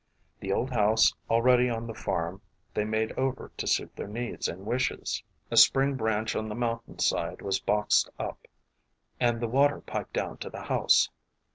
The old house al ready on the farm they made over to suit their needs and wishes. A spring branch on the mountain side was boxed up and the water piped down to the house.